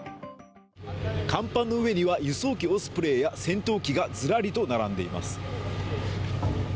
甲板の上には輸送機オスプレイや戦闘機がずらりと並んでいます。